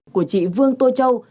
của chị vương tô châu